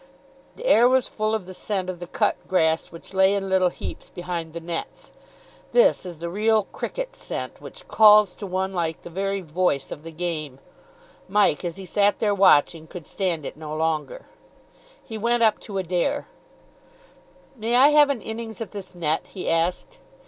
The air was full of the scent of the cut grass which lay in little heaps behind the nets. This is the real cricket scent, which calls to one like the very voice of the game. Mike, as he sat there watching, could stand it no longer. He went up to Adair. "May I have an innings at this net?" he asked.